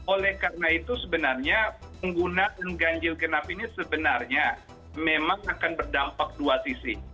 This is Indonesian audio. oleh karena itu sebenarnya penggunaan ganjil genap ini sebenarnya memang akan berdampak dua sisi